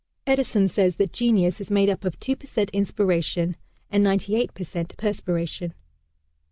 Edison says that genius is made up of two per cent inspiration and ninety eight per cent perspiration.